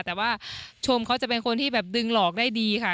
แต่ว่าชมเขาจะเป็นคนที่แบบดึงหลอกได้ดีค่ะ